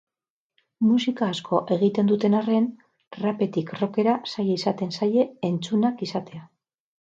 Musika asko egiten duten arren, rapetik rockera zaila izaten zaie entzunak izatea.